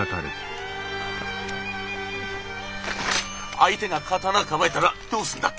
相手が刀ぁ構えたらどうすんだっけ？